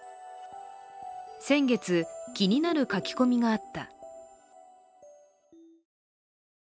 先月、気になる書き込みがあった。